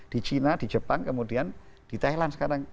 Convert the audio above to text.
di china di jepang kemudian di thailand sekarang